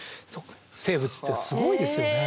生物ってすごいですよね。